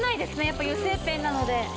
やっぱ油性ペンなので。